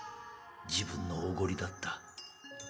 自分のおごりだった。